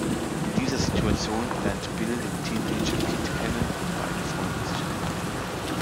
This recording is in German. In dieser Situation lernt Bill den Teenager Kid kennen und beide freunden sich an.